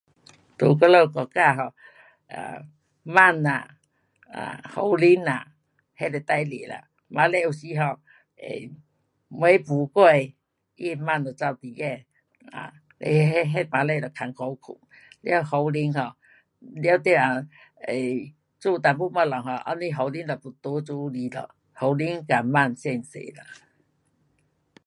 在我们国家 um，啊，蚊呐，苍蝇呐，那最多啦。晚里有时哈，um 门没关，它会蚊就跑里间,那晚里就困苦顾。了苍蝇 um 在那,做一点东西 um 后面苍蝇就都全来咯。苍蝇跟蚊最多啦。